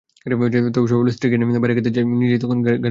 তবে সময় পেলেই স্ত্রীকে নিয়ে বাইরে খেতে যান, নিজেই তখন গাড়ি চালান।